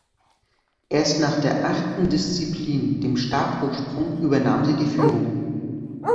Erst nach der achten Disziplin, dem Stabhochsprung, übernahm sie die Führung.